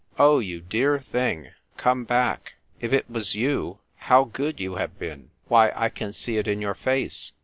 " Oh, you dear thing, come back ! If it was you, how good you have been ! Why, I can see it in your face.